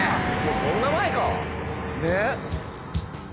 そんな前か。